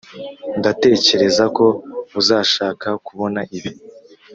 ndatekereza ko uzashaka kubona ibi.